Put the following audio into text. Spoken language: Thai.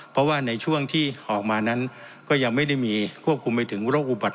เพราะว่าในช่วงที่ออกมานั้นก็ยังไม่ได้มีควบคุมไปถึงโรคอุบัติ